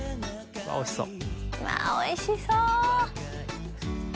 うわっおいしそう！